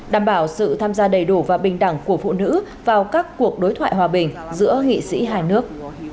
đảm bảo sự tham gia đầy đủ và bình đẳng của phụ nữ vào các cuộc đối thoại hòa bình giữa nghị sĩ hai nước